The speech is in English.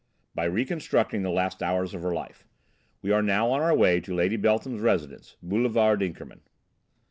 "By reconstructing the last hours of her life. We are now on our way to Lady Beltham's residence, Boulevard Inkermann."